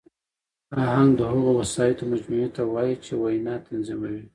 آهنګ د هغو وسایطو مجموعې ته وایي، چي وینا تنظیموي.